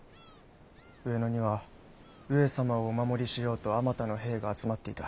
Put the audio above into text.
上野には上様をお守りしようとあまたの兵が集まっていた。